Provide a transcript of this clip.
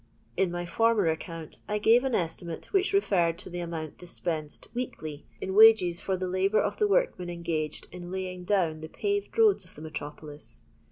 In my former account I gave an estimate which referred to tho amount dispensed weekly in wages for the labour of the workmen engaged in lajring down the paved roads of the metropolis.